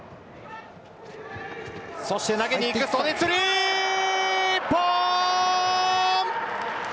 そして投げにいく袖釣り一本。